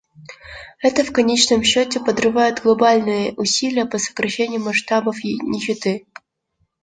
Это, в конечном счете, подрывает глобальные усилия по сокращению масштабов нищеты.